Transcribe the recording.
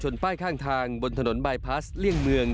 ป้ายข้างทางบนถนนบายพลาสเลี่ยงเมือง